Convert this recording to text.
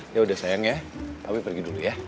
yaudah sayang ya abis itu pergi dulu ya